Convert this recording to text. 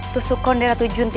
tusuk kondek ratu junti